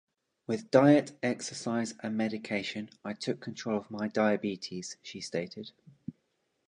"With diet, exercise and medication, I took control of my diabetes," she stated.